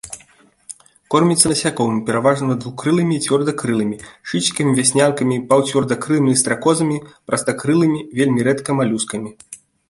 Корміцца насякомымі, пераважна двухкрылымі і цвердакрылымі, шыцікамі, вяснянкамі, паўцвердакрылымі, стракозамі, прастакрылымі, вельмі рэдка малюскамі.